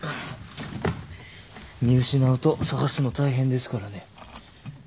見失うと捜すの大変ですからね。